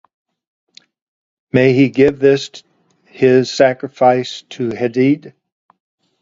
May he give this his sacrifice to Hadad.